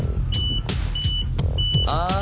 ああ。